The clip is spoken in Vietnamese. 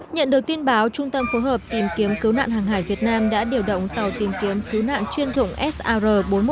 nhận được tin báo trung tâm phối hợp tìm kiếm cứu nạn hàng hải việt nam đã điều động tàu tìm kiếm cứu nạn chuyên dụng sr bốn trăm một mươi